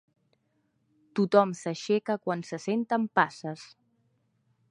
Tothom s'aixeca quan se senten passes.